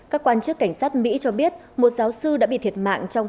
các quan chức cảnh sát mỹ cho biết một giáo sư đã bị thiệt mạng trong